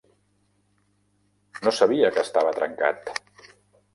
No sabia que estava trencat!